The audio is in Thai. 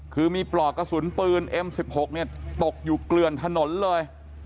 คือมีปลอกกระสุนปืนเอ็ม๑๖เนี่ยตกอยู่เกลือนถนนเลย